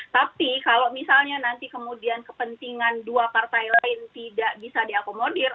tapi kalau misalnya nanti kemudian kepentingan dua partai lain tidak bisa diakomodir